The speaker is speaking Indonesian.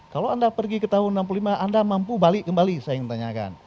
kalau anda pergi ke tahun enam puluh lima anda mampu balik kembali saya yang tanyakan